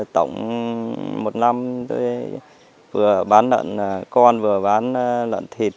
tổng một năm tôi vừa bán nợn con vừa bán nợn thịt